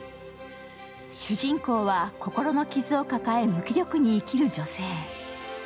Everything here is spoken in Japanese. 主人公は、心の傷を抱え、無気力に生きる女性。